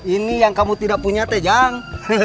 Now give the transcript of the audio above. ini yang kamu tidak punya teh jang